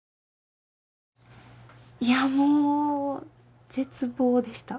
いやもう絶望でした。